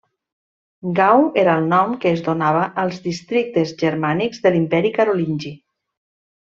Gau era el nom que es donava als districtes germànics de l'imperi carolingi.